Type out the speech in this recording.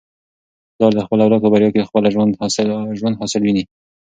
پلار د خپل اولاد په بریا کي د خپل ژوند حاصل ویني.